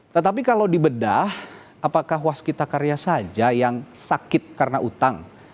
tetapi kalau dibedah apakah waskita karya saja yang sakit karena utang